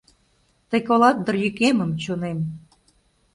Тый колат дыр йӱкемым, чонем?